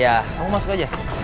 ya kamu masuk aja